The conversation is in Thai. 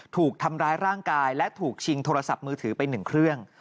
ถูกทำร้ายร่างกายและถูกชิงโทรศัพท์มือถือไป๑เครื่อง